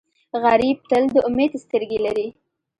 غریب تل د امید سترګې لري